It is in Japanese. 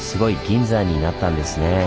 銀山になったんですねぇ。